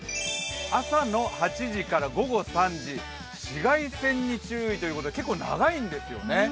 朝の８時から午後３時、紫外線に注意ということで結構長いんですよね。